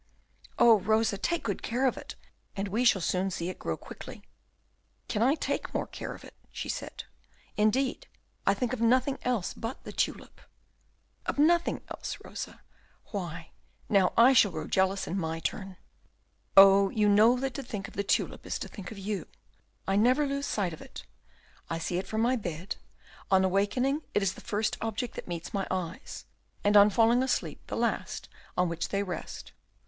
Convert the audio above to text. "Oh, Rosa, take good care of it, and we shall soon see it grow quickly." "Can I take more care of it?" said she. "Indeed, I think of nothing else but the tulip." "Of nothing else, Rosa? Why, now I shall grow jealous in my turn." "Oh, you know that to think of the tulip is to think of you; I never lose sight of it. I see it from my bed, on awaking it is the first object that meets my eyes, and on falling asleep the last on which they rest.